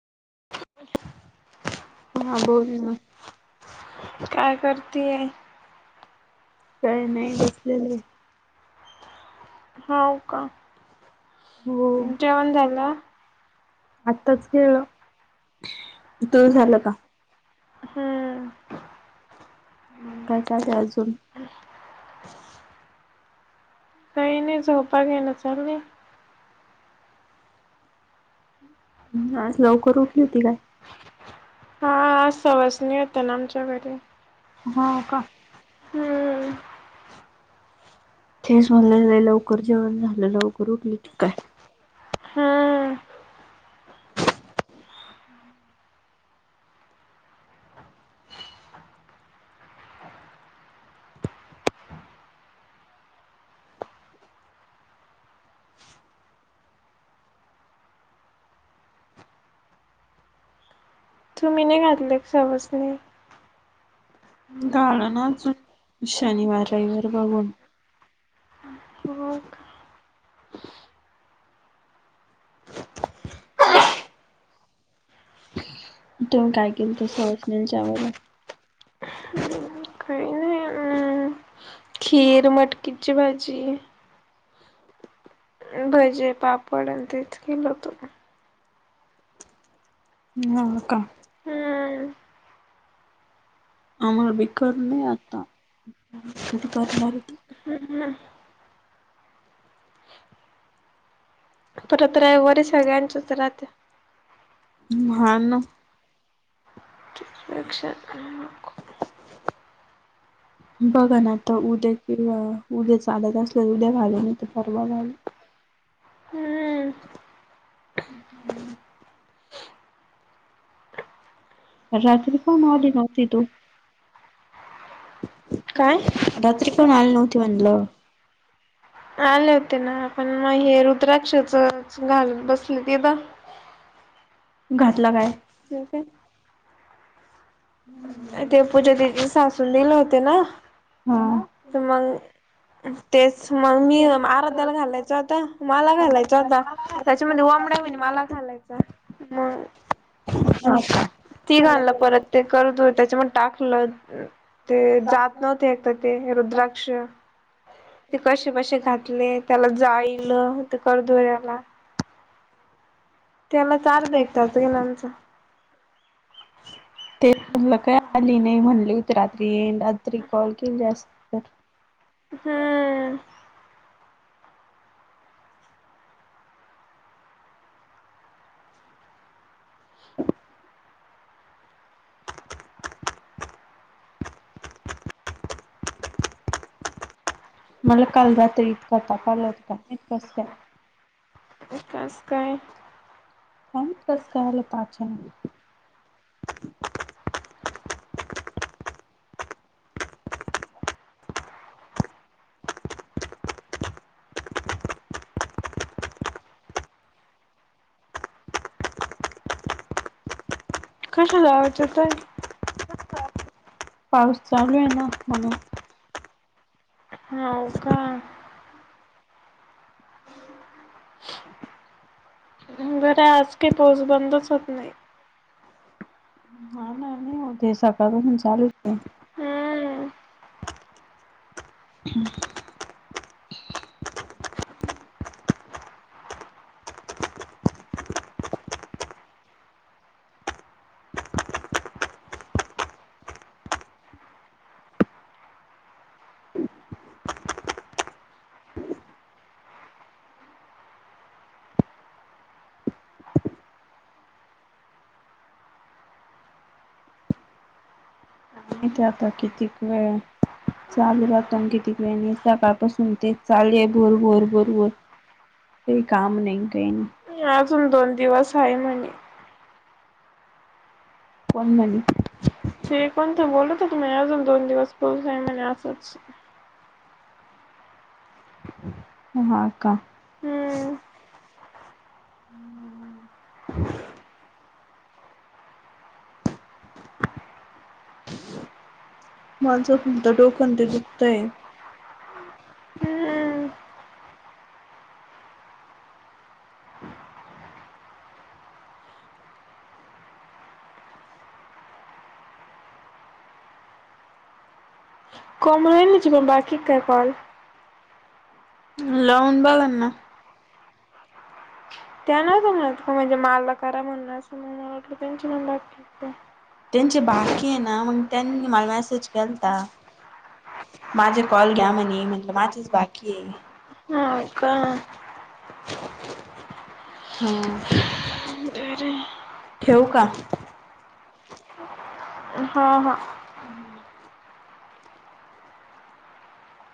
हा बोल ना. काय करतीये? काय नाही बसलेले. हो का? जेवण झाल? आत्ताच गीळलं. तुझ झालं का? ह. मग काय चालूय अजून? काय नाही झोपा घेन चालय. आज लवकर उठली होती काय? हा आज सवासणी होत्या ना आमच्या घरी. हो का? हम्म. तेच म्हनल लय लवकर जेवण झालं. लवकर उठली होती की काय? तुमी नाही घातले का सवासनी? घालूना अजून. शनिवार रविवार बघून. हो का? तुमी काय केलंत सवासनीला जेवायला? काही नाही. अम्म खीर, मटकीची भाजी भजे, पापडन तेच केलं होत. हा का? आम्हाला बी करनय आता. कधी करणारेत? हम्म हम्म. परत रविवारी सगळ्यांच्याच राहत्या. हम्म हा ना. [unintelligible] बघा ना आता उद्या किंवा उद्या चालत असल उद्या घालु नाही तर परवा घालू. [inaudible] रात्री का ना आली नव्हती तू? रात्री त्रीपण आली नव्हती म्हणलं. आले होते ना पण म हे रुद्राक्षच घालत बसले तिथ. आपला काय [unintelligible] देव पूजा तिजी सासून दिल होत ना मंग तेच मंग मी आराध्याला घालायचा होता. मला घालायचा होता त्याच्यामध्ये वामडा म्हण मला घालायचा मंग तिघांला परत ते करत होती. त्याच्यामध्ये टाकलं ते जात नव्हत एक तर ते रुद्राक्ष ते कशे बशे घातले त्याला जाळीलं ते करधोऱ्याला. त्यालाच अर्धा एक तास गेला आमचा. ते म्हणलं काय आली नाही म्हणली रात्री येन रात्री कॉल केला अस हम्म [inaudible] म्हणलं काल रात्री इतकां ताप आला होता, काय माहित कसं काय. कसं काय? काय माहित कसं काय आला होत अचानक. कशे लावायचे ते. पाऊस चालू आहे ना म्हणून. हाव का बरंय आज काही पाऊस बंदच होत नाही. हो ते सकाळ पासून चालूच आहे. हम्म [inaudible] नाही ते आता कितीक वेळात चालू राहतो कितीक वेळानी सकाळपासून ते चालूये भूर भूर भूर भूर. काही काम नाही काय नाही. हम अजून दोन दिवस हाय म्हणे. कोण म्हणी? ते कोणतं बोलत होत माय अजून दोन दिवस पाऊस आहे म्हणे असंच. हा का [inaudible] माझं [unintelligible] डोक ते दुखतंय. [unintelligible] बाकी काय कॉल. लावून बघा ना. त्या नाय जमणार म्हणजे मला करा म्हणलं असत [unintelligible] त्यांचे बाकी येना मंग त्यांनी मला मेसेज केलता. माझे कॉल घ्या म्हणे, म्हनल माझेच बाकीये. हा का [unintelligible] हो का हा हा